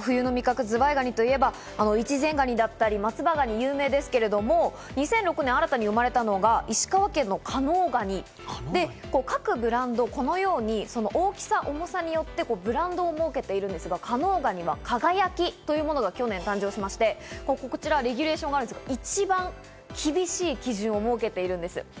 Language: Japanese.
冬の味覚ズワイガニといえば、越前ガニだったり松葉ガニが有名ですけれども、２００６年、新たに生まれたのが石川県の加納ガニで、各ブランドこのように大きさ、重さによってブランドを設けているんですが、加納ガニは「輝」というものが去年、誕生しまして、こちらレギュレーションがあるんですが、一番厳しい基準を設けているんです。